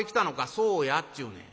「そうやっちゅうねん。